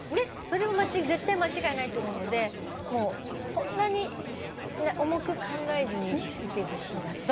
それも絶対間違いないと思うのでもうそんなに重く考えずにいてほしいな。